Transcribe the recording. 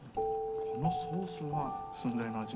このソースが駿台の味。